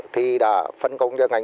thì đã phân công cho ngành